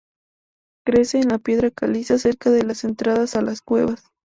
Crece en la piedra caliza cerca de las entradas a las cuevas.